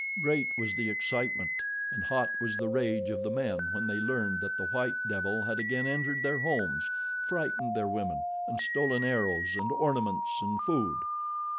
Great was the excitement and hot was the rage of the men when they learned that the white devil had again entered their homes, frightened their women and stolen arrows and ornaments and food.